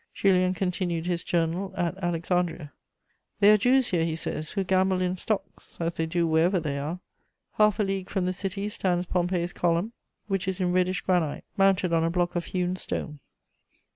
Julien continued his journal at Alexandria: "There are Jews here," he says, "who gamble in stocks, as they do wherever they are. Half a league from the city stands Pompey's Column, which is in reddish granite, mounted on a block of hewn stone."